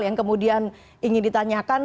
yang kemudian ingin ditanyakan